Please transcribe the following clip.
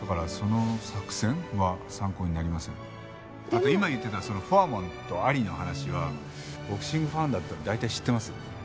あと今言ってたそのフォアマンとアリの話はボクシングファンだったら大体知ってます。